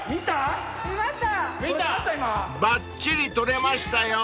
［ばっちり撮れましたよ］